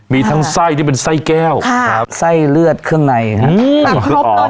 มีทั้งไส้ที่เป็นไส้แก้วไส้เลือดเครื่องในครับ